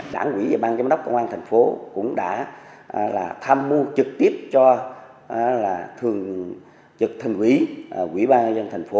đảng quỹ và ban chấm đốc công an thành phố cũng đã tham mưu trực tiếp cho thường trực thành quỹ quỹ ban ngân dân thành phố